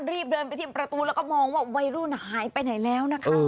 รีบเดินไปที่ประตูแล้วก็มองว่าวัยรุ่นหายไปไหนแล้วนะคะ